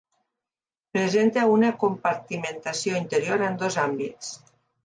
Presenta una compartimentació interior en dos àmbits.